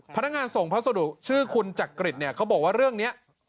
พนักงานส่งพัสดุชื่อคุณจักริตเนี่ยเขาบอกว่าเรื่องนี้